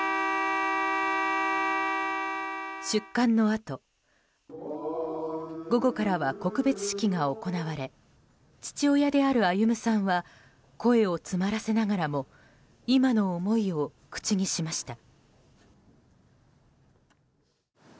出棺のあと午後からは告別式が行われ父親である歩さんは声を詰まらせながらも今の思いを口にしました。